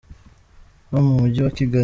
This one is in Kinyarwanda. ho mu Mujyi wa Kigali.